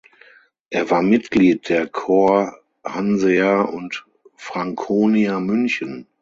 Er war Mitglied der Corps Hansea und Franconia München.